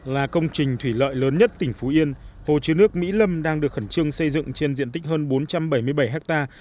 là công trình thủy lợi lớn nhất tỉnh phú yên hồ chứa nước mỹ lâm đang được khẩn trương xây dựng trên diện tích hơn bốn trăm bảy mươi bảy ha